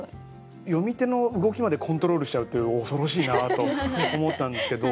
読み手の動きまでコントロールしちゃうって恐ろしいなと思ったんですけど。